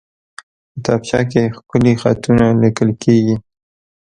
کتابچه کې ښکلي خطونه لیکل کېږي